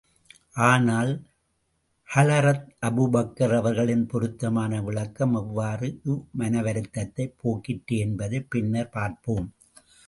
ஆனால் ஹலரத் அபூபக்கர் அவர்களின் பொருத்தமான விளக்கம் எவ்வாறு இம்மனவருத்தத்தைப் போக்கிற்று என்பதைப் பின்னர் பார்ப்போம்.